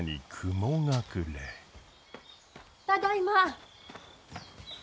ただいま。